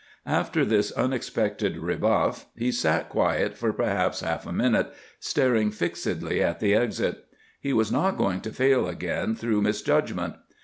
After this unexpected rebuff he sat quiet for perhaps half a minute, staring fixedly at the exit. He was not going to fail again through misjudgment.